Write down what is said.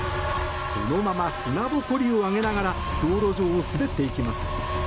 そのまま砂ぼこりを上げながら道路上を滑っていきます。